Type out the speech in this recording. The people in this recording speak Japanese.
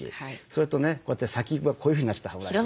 それとねこうやって先がこういうふうになっちゃった歯ブラシ。